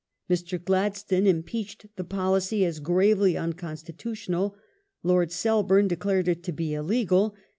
Mr. Gladstone im peached the policy as gravely unconstitutional : Lord Selborne declared it to be illegal.